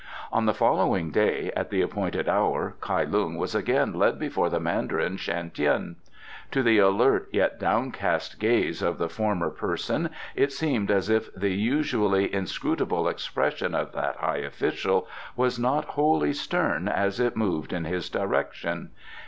On the following day, at the appointed hour, Kai Lung was again led before the Mandarin Shan Tien. To the alert yet downcast gaze of the former person it seemed as if the usually inscrutable expression of that high official was not wholly stern as it moved in his direction.